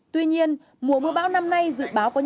tuy nhiên mùa mưa bão năm nay dự báo có nhiều